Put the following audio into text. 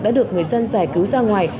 đã được người dân giải cứu ra ngoài